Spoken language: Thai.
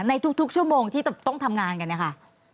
ในทุกชั่วโมงที่ต้องทำงานกันเนี่ยค่ะ